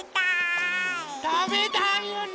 たべたいよね。